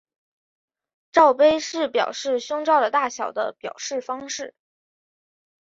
罩杯是表示胸罩的大小的表示方式。